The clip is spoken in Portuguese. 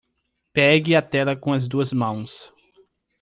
Pegue a tela com as duas mãos